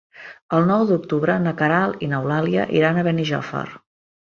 El nou d'octubre na Queralt i n'Eulàlia iran a Benijòfar.